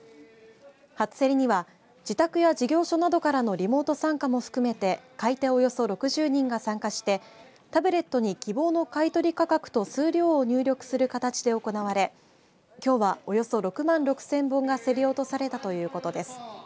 初競りには自宅や事業所などからのリモート参加も含めて、買い手およそ６０人が参加してタブレットに希望の買い取り価格と数量を入力する形で行われきょうはおよそ６万６０００本が競り落とされたということです。